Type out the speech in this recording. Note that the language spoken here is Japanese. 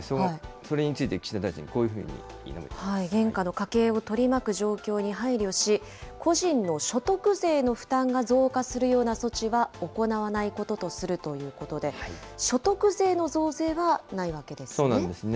それについて岸田大臣、現下の家計を取り巻く状況に配慮し、個人の所得税の負担が増加するような措置は行わないこととするということで、所得税の増税はないわけですね。